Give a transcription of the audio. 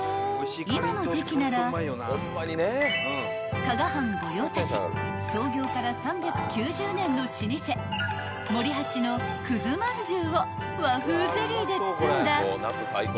［今の時季なら加賀藩御用達創業から３９０年の老舗森八のくずまんじゅうを和風ゼリーで包んだ季